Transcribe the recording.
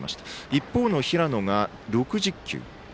一方の平野が６０球。